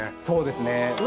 そうですね。